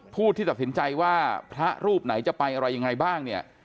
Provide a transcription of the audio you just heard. ผู้ที่ตัดสินใจว่าพระรูปไหนจะไปอะไรยังไงบ้างเนี่ย